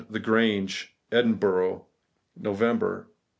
The Grange, Edinburgh, November 1872.